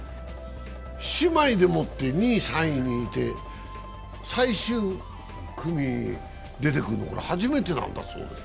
姉妹で２位、３位にいて最終組、出てくるの初めてなんだそうです。